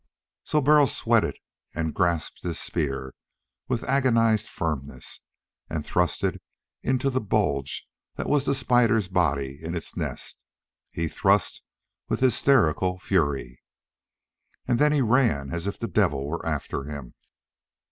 So Burl sweated, and grasped his spear with agonized firmness and thrust it into the bulge that was the spider's body in its nest. He thrust with hysterical fury. And then he ran as if the devil were after him.